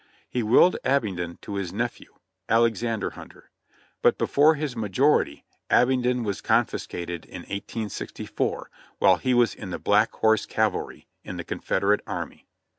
He willed Abingdon to his nephew, Alexander Hunter; but before his majority Abingdon was confiscated in 1864, while he was in the Black Horse Cavalry, in the Confederate Army.